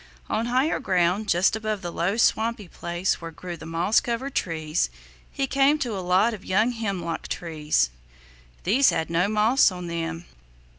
On higher ground, just above the low swampy place where grew the moss covered trees, he came to a lot of young hemlock trees. These had no moss on them.